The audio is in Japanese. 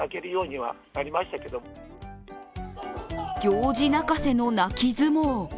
行司泣かせの泣き相撲。